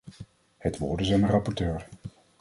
Het woord is aan de rapporteur.